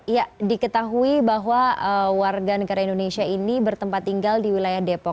ya diketahui bahwa warga negara indonesia ini bertempat tinggal di wilayah depok